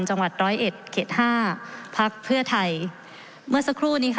จังหวัดร้อยเอ็ดเขตห้าพักเพื่อไทยเมื่อสักครู่นี้ค่ะ